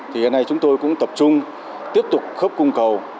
thì hiện nay chúng tôi cũng tập trung tiếp tục khớp cung cầu